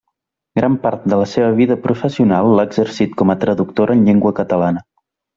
Gran part de la seva vida professional l'ha exercit com a traductora en llengua catalana.